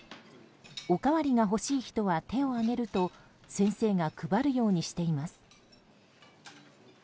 おかわりが欲しい人は手を上げると先生が配るようにしています。